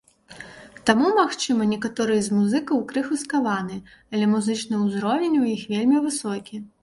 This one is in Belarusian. Таму, магчыма, некаторыя з музыкаў крыху скаваныя, але музычны ўзровень у іх вельмі высокі.